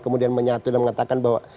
kemudian menyatu dan mengatakan bahwa